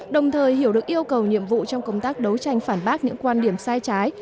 đồng thời hiểu được yêu cầu nhiệm vụ trong công tác đấu tranh phản bác những quan điểm sai trái